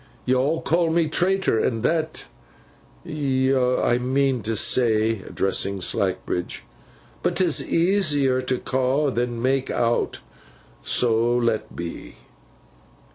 Yo'll ca' me traitor and that—yo I mean t' say,' addressing Slackbridge, 'but 'tis easier to ca' than mak' out. So let be.